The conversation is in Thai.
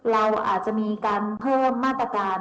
เราอาจจะมีการเพิ่มมาตรการ